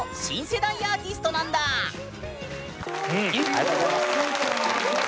ありがとうございます。